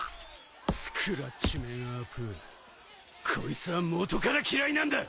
スクラッチメン・アプーこいつは元から嫌いなんだ！